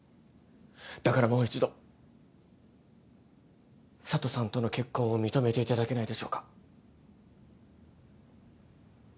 だからもう一度佐都さんとの結婚を認めていただけないでしょうか。